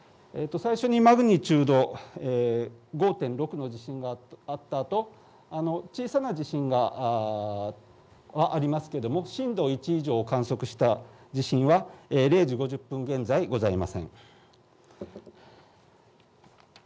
最初にマグニチュード５．６の地震があったあと小さな地震がありますけども震度１以上を観測した地震は０時５０分現在ございません。